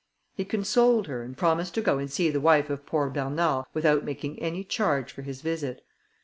He consoled her, and promised to go and see the wife of poor Bernard without making any charge for his visit.